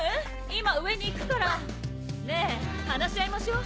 今上に行くからねぇ話し合いましょう。